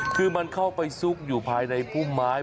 เค้าไปสุกอยู่ภายในภูมิไม้